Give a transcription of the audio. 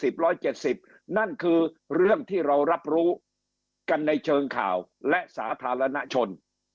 ๑๖๐๑๗๐บอเมตรนั่นคือเรื่องที่เรารับรู้กันในเชิงข่าวและสาธารณาชน